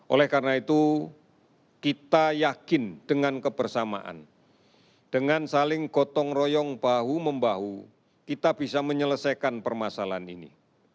oleh karena itu kita yakin dengan kebersamaan dengan saling gotong royong bahu membahu kita bisa menyelesaikan permasalahan ini